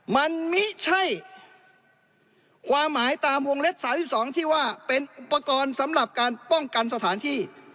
มันไม่ใช่ความหมายตามวงเล็บ๓๒ที่ว่าเป็นอุปกรณ์สำหรับการป้องกันสถานที่